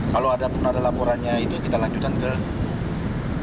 kalau ada pun ada laporannya itu kita lanjutkan ke kejaksaan agung